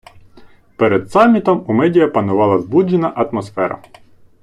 Перед самітом у медіа панувала збуджена атмосфера.